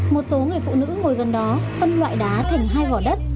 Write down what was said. một số người phụ nữ ngồi gần đó phân loại đá thành hai vỏ đất